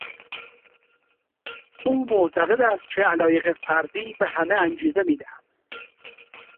او معتقد است که علایق فردی به همه انگیزه میدهد.